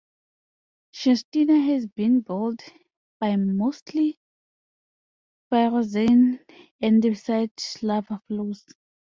Shastina has been built by mostly pyroxene andesite lava flows.